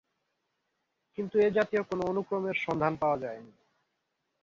কিন্তু এ জাতীয় কোন অনুক্রমের সন্ধান পাওয়া যায়নি।